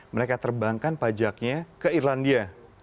mereka terbangkan pajaknya ke irlandia